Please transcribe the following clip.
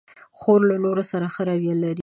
خور له نورو سره ښه رویه لري.